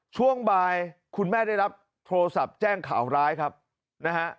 ช่วงบ่ายคุณแม่ได้รับโทรศัพท์แจ้งข่าวร้ายครับนะฮะ